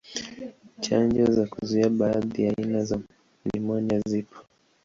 Chanjo za kuzuia baadhi ya aina za nimonia zipo.